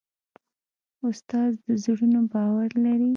استاد د زړونو باور لري.